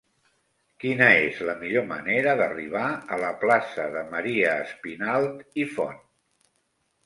Quina és la millor manera d'arribar a la plaça de Maria Espinalt i Font?